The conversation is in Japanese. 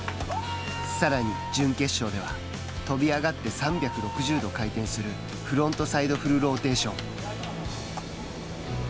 さらに、準決勝では跳び上がって３６０度回転するフロントサイド・フルローテーション。